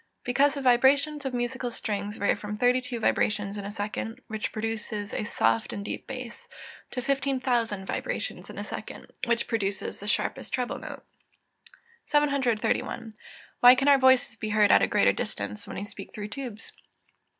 _ Because the vibrations of musical strings vary from 32 vibrations in a second, which produces a soft and deep bass, to 15,000 vibrations in a second, which produces the sharpest treble note. 731. _Why can our voices be heard at a greater distance when we speak through tubes?